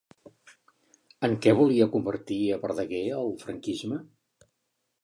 En què volia convertir a Verdaguer el franquisme?